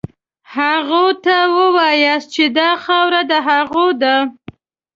هغوی ته ووایاست چې دا خاوره د هغوی ده.